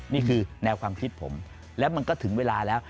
นี่คือแนวความคิดผมแล้วมันก็ถึงเวลาแล้ว